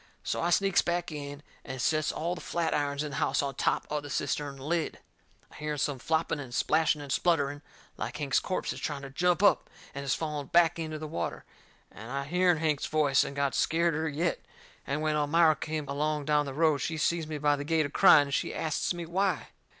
So I sneaks back in and sets all the flatirons in the house on top of the cistern lid. I hearn some flopping and splashing and spluttering, like Hank's corpse is trying to jump up and is falling back into the water, and I hearn Hank's voice, and got scareder yet. And when Elmira come along down the road, she seen me by the gate a crying, and she asts me why.